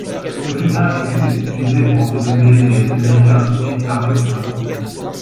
Mais plus tard, l’église est utilisée pour emprisonner les Américains et Philippins capturés.